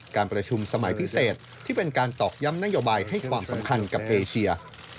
การประชุมสมัยพิเศษที่เป็นการตอกย้ำนโยบายให้ความสำคัญกับเอเชีย